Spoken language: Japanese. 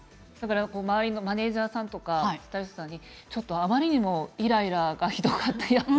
周りのマネージャーさんやスタイリストさんにあまりにもイライラがひどくって